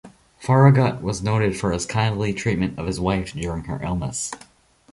Farragut was noted for his kindly treatment of his wife during her illness.